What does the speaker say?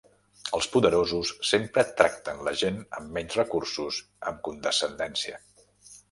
Els poderosos sempre tracten la gent amb menys recursos amb condescendència.